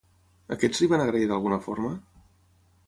Aquests li van agrair d'alguna forma?